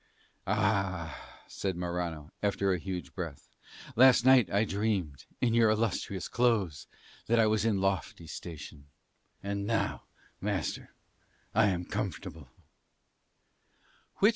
"Ah," said Morano after a huge breath, "last night I dreamed, in your illustrious clothes, that I was in lofty station. And now, master, I am comfortable."